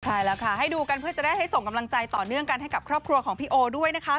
ใช่แล้วค่ะให้ดูกันเพื่อจะได้ให้ส่งกำลังใจต่อเนื่องกันให้กับครอบครัวของพี่โอด้วยนะคะ